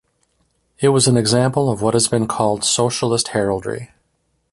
It was an example of what has been called "socialist heraldry".